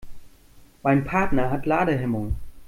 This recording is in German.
Mein Partner hat Ladehemmungen.